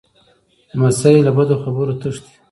لمسی له بدو خبرو تښتي.